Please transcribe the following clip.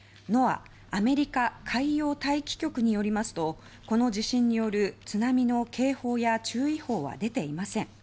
ＮＯＡＡ・アメリカ海洋大気局によりますとこの地震による津波の警報や注意報は出ていません。